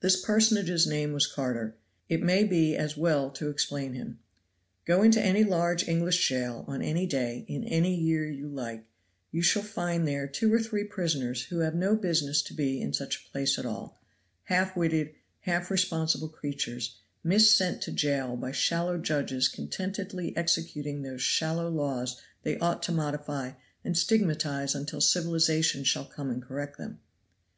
This personage's name was Carter; it may be as well to explain him. Go into any large English jail on any day in any year you like, you shall find there two or three prisoners who have no business to be in such a place at all half witted, half responsible creatures, missent to jail by shallow judges contentedly executing those shallow laws they ought to modify and stigmatize until civilization shall come and correct them.